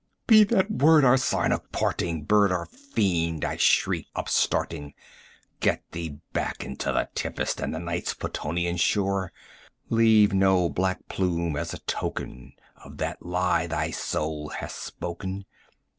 "Be that word our sign of parting, bird or fiend!" I shrieked, upstarting: "Get thee back into the tempest and the Night's Plutonian shore! Leave no black plume as a token of that lie thy soul hath spoken!